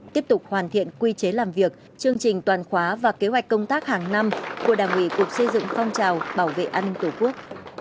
tiếp tục hoàn thiện quy chế làm việc chương trình toàn khóa và kế hoạch công tác hàng năm của đảng ủy cục xây dựng phong trào bảo vệ an ninh tổ quốc